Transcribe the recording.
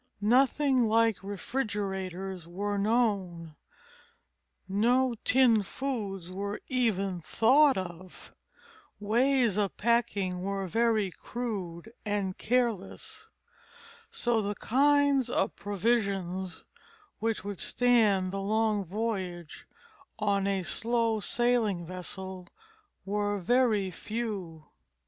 Nothing like refrigerators were known; no tinned foods were even thought of; ways of packing were very crude and careless; so the kinds of provisions which would stand the long voyage on a slow sailing vessel were very few.